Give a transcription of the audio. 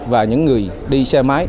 và những người đi xe máy